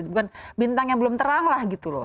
bukan bintang yang belum terang lah gitu loh